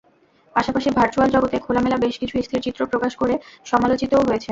পাশাপাশি ভারচুয়াল জগতে খোলামেলা বেশ কিছু স্থিরচিত্র প্রকাশ করে সমালোচিতও হয়েছেন।